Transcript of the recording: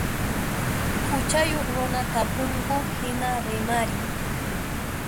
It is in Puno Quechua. Huchayuq runa tapunku hina rimarin.